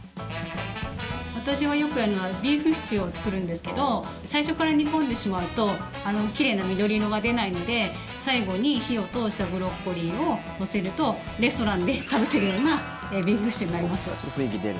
私はよくやるのはビーフシチューを作るんですけど最初から煮込んでしまうとあの奇麗な緑色が出ないので最後に火を通したブロッコリーを乗せるとレストランで食べてるようなビーフシチューになります。